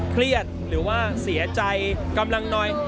เครียดหรือว่าเสียใจกำลังน้อย